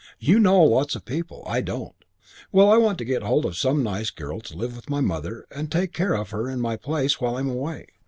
You know lots of people. I don't. Well, I want to get hold of some nice girl to live with my mother and take care of her in my place while I'm away.